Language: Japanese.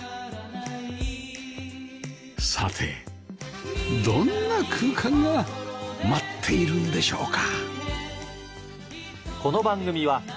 さてどんな空間が待っているんでしょうか？